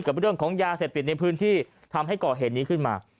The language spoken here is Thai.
กับเรื่องของยาเสพติดในพื้นที่ทำให้ก่อเหตุนี้ขึ้นมา